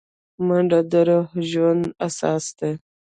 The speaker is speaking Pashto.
منډه د روغ ژوند اساس ده